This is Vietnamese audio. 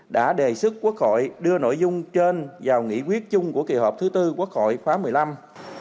đã đề xuất quốc hội đưa nội dung trên vào nghị quyết chung của kỳ họp thứ tư quốc hội khóa một mươi năm